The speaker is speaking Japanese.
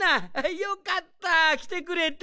よかったきてくれて。